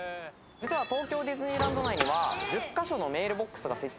実は東京ディズニーランド内には１０カ所のメールボックスが設置されているんです。